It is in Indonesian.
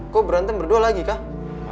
kok berantem berdua lagi kah